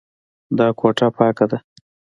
دا کوټه پاکه ده.